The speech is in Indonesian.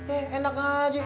eh enak aja